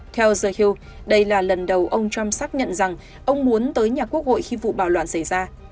theo giới đây là lần đầu ông trump xác nhận rằng ông muốn tới nhà quốc hội khi vụ bạo loạn xảy ra